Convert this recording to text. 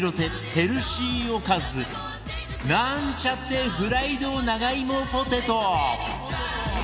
ヘルシーおかずなんちゃってフライド長芋ポテト